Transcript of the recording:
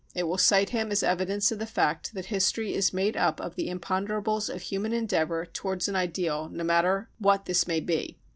It will cite him as evidence of the fact that history is made up of the imponderables of human endeavour towards an ideal, no matter what this may be."